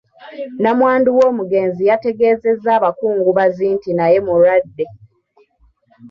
Nnamwandu w’omugenzi yategeezezza abakungubazi nti naye mulwadde.